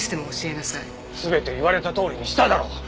全て言われたとおりにしただろ。